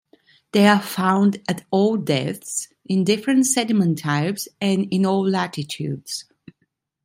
They are found at all depths, in different sediment types, and in all latitudes.